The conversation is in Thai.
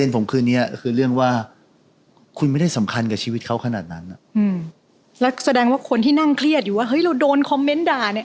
เนื้อหาทั้งหมด